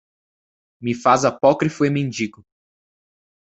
me faz apócrifo e mendigo.